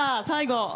最後。